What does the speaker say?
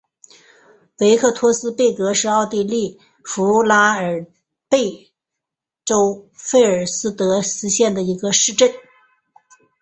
维克托斯贝格是奥地利福拉尔贝格州费尔德基希县的一个市镇。